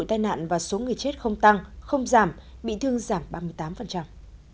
tai nạn và số người chết không tăng không giảm bị thương giảm ba mươi tám